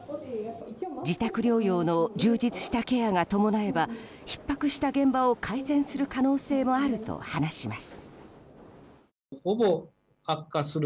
自宅療養の充実したケアが伴えばひっ迫した現場を改善する可能性もあると話します。